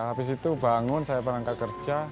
habis itu bangun saya berangkat kerja